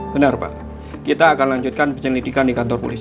benar pak kita akan lanjutkan penyelidikan di kantor polisi